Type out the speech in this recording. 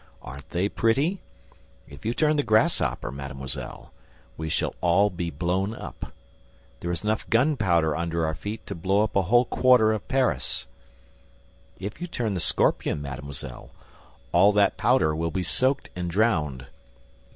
Aren't they pretty? If you turn the grasshopper, mademoiselle, we shall all be blown up. There is enough gun powder under our feet to blow up a whole quarter of Paris. If you turn the scorpion, mademoiselle, all that powder will be soaked and drowned.